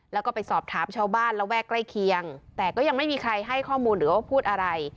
แล้วก็ไปสอบถามชาวบ้านระแวกใกล้เคียงแต่ก็ยังไม่มีใครให้ข้อมูลหรือว่าพูดอะไร